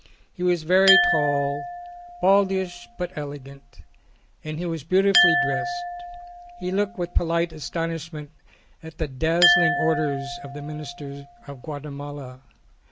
He was very tall, baldish but elegant, and he was beautifully dressed : he looked with polite astonishment at the dazzling orders of the Minister of Guatemala.